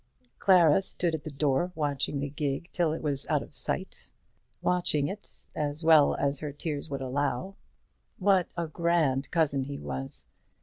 Clara stood at the door watching the gig till it was out of sight, watching it as well as her tears would allow. What a grand cousin he was!